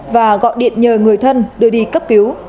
và gọi điện nhờ người thân đưa đi cấp cứu